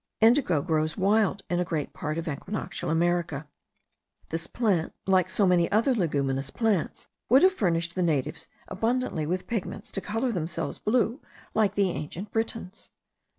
Indigo grows wild in a great part of equinoctial America. This plant, like so many other leguminous plants, would have furnished the natives abundantly with pigments to colour themselves blue like the ancient Britons.